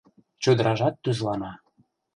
Чодыражат тӱзлана